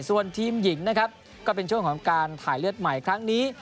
ส่วนทีมหญิงนะครับก็เป็นช่วงของการถ่ายเลือดใหม่ครั้งนี้